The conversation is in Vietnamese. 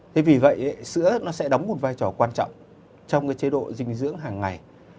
thế vì vậy sữa nó sẽ đóng một vai trò quan trọng trong cái chế độ dinh dưỡng hàng ngày